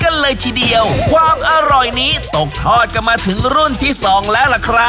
นั่นก็คือ